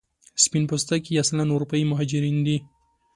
سپین پوستکي اصلا اروپایي مهاجرین دي.